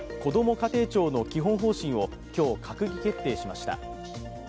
家庭庁の基本方針を今日、閣議決定しました。